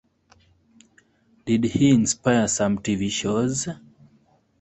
Did he inspire some tv shows?